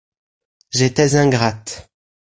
J'étais ingrate.